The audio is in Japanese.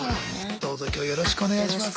どうぞ今日よろしくお願いします。